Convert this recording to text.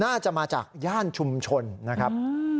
น่าจะมาจากย่านชุมชนนะครับ